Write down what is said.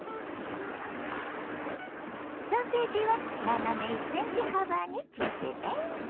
ソーセージは斜め１ｃｍ幅に切ってね。